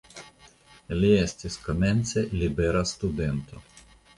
Li estis komence libera studento.